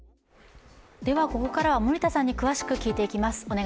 ここからは森田さんに詳しく聞いていきます。